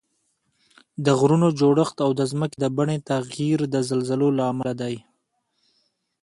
د غرونو جوړښت او د ځمکې د بڼې تغییر د زلزلو له امله دي